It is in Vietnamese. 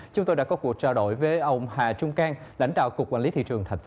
chúng tôi đã có cuộc trao đổi với ông hà trung cang lãnh đạo cục quản lý thị trường tp hcm